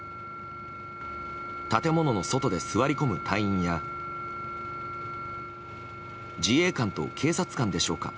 建物の外で座り込む隊員や自衛官と警察官でしょうか。